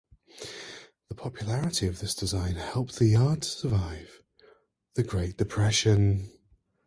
The popularity of this design helped the yard to survive the Great Depression.